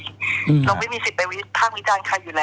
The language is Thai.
เราไม่มีสิทธิประวิทักษมณ์หวิตต่างใครอยู่แล้ว